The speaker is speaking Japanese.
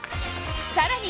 さらに！